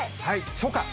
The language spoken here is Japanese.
初夏。